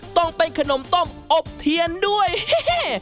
ต้องเป็นขนมต้มอบเทียนด้วยเฮ่